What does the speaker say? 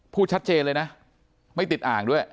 พูดชัดเจนเลยนะไม่ติดอ่างด้วย